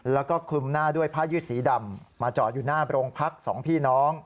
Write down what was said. แล้วก็คลุมหน้าด้วยผ้ายืดสีดำมาจอดอยู่หน้าโรงพักสองพี่น้อง